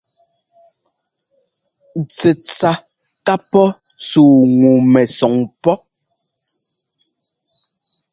Tsɛtsa ka pɔ́ sú ŋu mɛsɔn pɔ́.